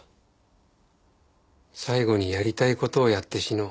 最後にやりたい事をやって死のう。